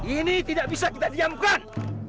ini tidak bisa kita diamkan